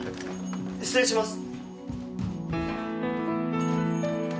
失礼します。